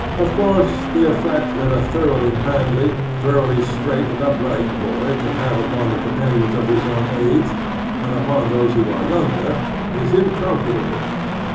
Of course the effect that a thoroughly manly, thoroughly straight and upright boy can have upon the companions of his own age, and upon those who are yoimger, is incalculable.